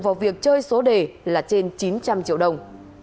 vào việc chơi số đề là trên chín trăm linh triệu đồng